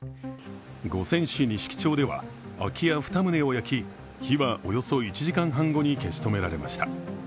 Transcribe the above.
五泉市錦町では空き家２棟を焼き火はおよそ１時間半後に消し止められました。